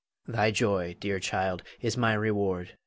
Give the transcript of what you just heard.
Her. Thy joy, dear child, is my reward.